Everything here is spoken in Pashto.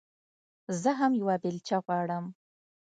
زه هم يوه بېلچه غواړم.